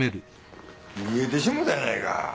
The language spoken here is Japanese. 逃げてしもうたやないか。